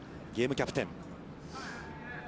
ゲームキャプテン。